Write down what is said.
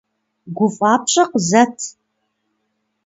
ГуфӀапщӀэ къызэт!